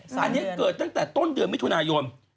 อันนี้เกิดตั้งแต่ต้นเดือนมิถุนายน